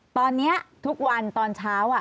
ตอนนี้ทุกวันตอนเช้า